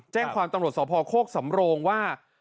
แจ้งความตำรวจสพโคกสำโรงว่า